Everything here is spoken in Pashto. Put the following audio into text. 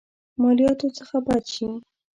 مالياتو څخه بچ شي.